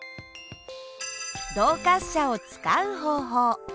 動滑車を使う方法。